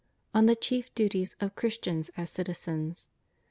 ON THE CHIEF DUTIES OF CHRISTIANS AS CITIZENS.